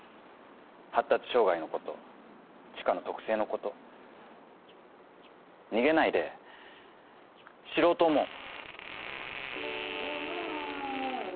発達障害のこと知花の特性のこと逃げないで知ろうと思う。